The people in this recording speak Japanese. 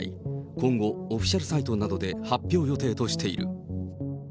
今後、オフィシャルサイトなどで発表予定としている。